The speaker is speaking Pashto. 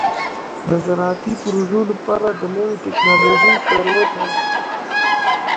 د زراعتي پروژو لپاره د نوې ټکنالوژۍ کارول لازمي دي.